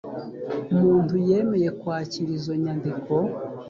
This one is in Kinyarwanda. muntu yemeye kwakira izo nyandiko